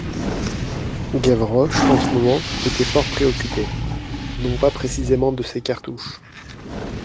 Gavroche en ce moment était fort préoccupé, non pas précisément de ses cartouches.